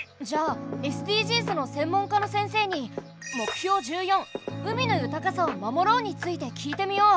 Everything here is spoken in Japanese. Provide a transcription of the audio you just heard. じゃあＳＤＧｓの専門家の先生に目標１４「海の豊かさを守ろう」について聞いてみよう。